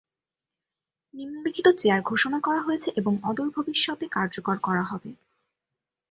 নিম্নলিখিত চেয়ার ঘোষণা করা হয়েছে এবং অদূর ভবিষ্যতে কার্যকর করা হবে।